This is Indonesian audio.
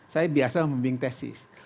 saya biasa memimping tesis